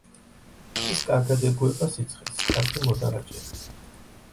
ის კარგად ეგუება სიცხეს, კარგი მოდარაჯეა.